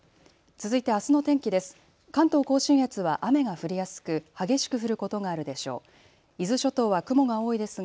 続いてあすの天気です。